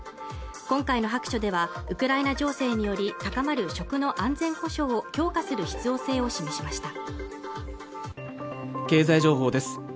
今回の白書ではウクライナ情勢により高まる食の安全保障を強化する必要性を示しました